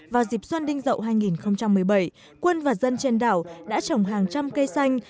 vào dịp xuân đinh rậu hai nghìn một mươi bảy quân và dân trên đảo đã trồng hàng trăm cây xanh